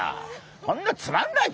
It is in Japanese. そんなつまんない。